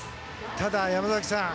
ただ、山崎さん